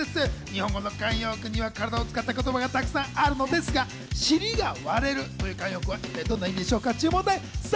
日本語の慣用句には体を使った言葉がたくさんあるのですが、尻が割れるという慣用句は一体どんな意味？